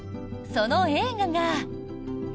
その映画が。